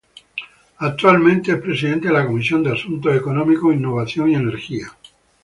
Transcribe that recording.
Actualmente es presidente de la Comisión de Asuntos Económicos, Innovación y Energía.